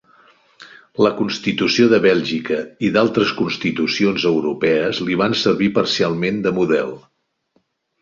La constitució de Bèlgica i d’altres constitucions europees li van servir parcialment de model.